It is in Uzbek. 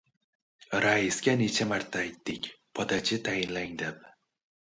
— Raisga necha marta aytdik, podachi tayinlang deb!